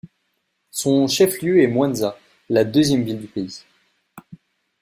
Son chef-lieu est Mwanza, la deuxième ville du pays.